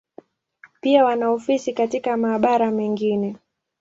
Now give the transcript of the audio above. Pia wana ofisi katika mabara mengine.